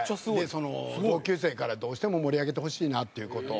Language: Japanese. その同級生からどうしても盛り上げてほしいなっていう事を。